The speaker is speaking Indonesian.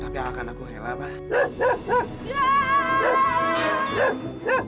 tapi akan aku heran apa